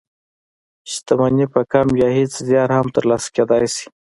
شتمني په کم يا هېڅ زيار هم تر لاسه کېدلای شي.